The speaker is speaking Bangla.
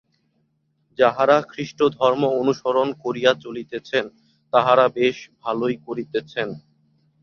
যাঁহারা খ্রীষ্টধর্ম অনুসরণ করিয়া চলিতেছেন, তাঁহারা বেশ ভালই করিতেছেন।